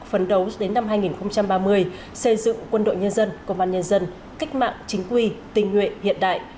phấn đấu đến năm hai nghìn ba mươi xây dựng quân đội nhân dân công an nhân dân cách mạng chính quy tình nguyện hiện đại